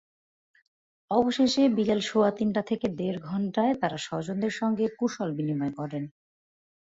অবশেষে বিকেল সোয়া তিনটা থেকে দেড় ঘণ্টায় তাঁরা স্বজনদের সঙ্গে কুশলবিনিময় করেন।